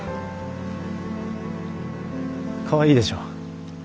かわいいでしょ？